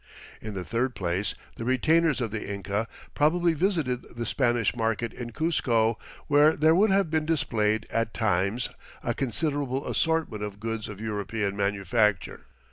In the third place the retainers of the Inca probably visited the Spanish market in Cuzco, where there would have been displayed at times a considerable assortment of goods of European manufacture.